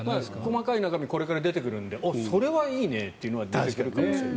細かい中身はこれから出てくるのでそれはいいねっていうのが出てくるかもしれない。